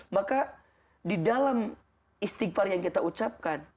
maka di dalam istighfar yang kita ucapkan